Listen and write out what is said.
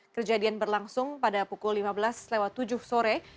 kerjadian berlangsung pada pukul lima belas lewat tujuh sore